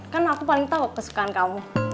kan aku paling tahu kesukaan kamu